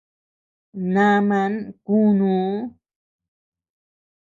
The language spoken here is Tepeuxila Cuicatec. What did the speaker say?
Naaman kunuu.